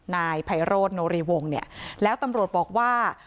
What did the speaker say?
นายไพโรธโนรีวงเนี่ยแล้วตำรวจบอกว่า